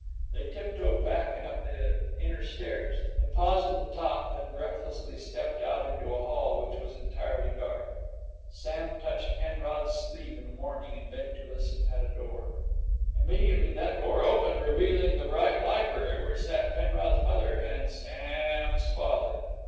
They tiptoed back, and up the inner stairs. They paused at the top, then breathlessly stepped out into a hall which was entirely dark. Sam touched Penrod's sleeve in warning, and bent to listen at a door. Immediately that door opened, revealing the bright library, where sat Penrod's mother and Sam's father.